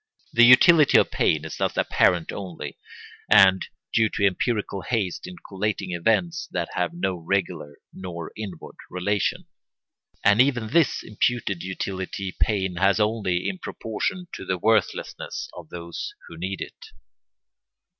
The utility of pain is thus apparent only, and due to empirical haste in collating events that have no regular nor inward relation; and even this imputed utility pain has only in proportion to the worthlessness of those who need it.